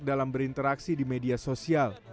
dalam berinteraksi di media sosial